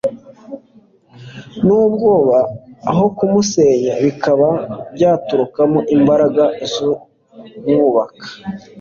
n'ubwoba aho kumusenya, bikaba byaturukamo imbaraga zimwubaka